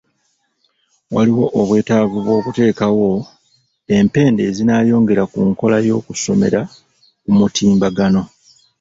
Waliwo obwetaavu bw'okuteekawo empenda ezinaayongera ku nkola y'okusomera ku mutimbagano.